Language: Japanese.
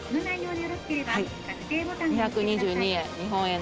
２２２円。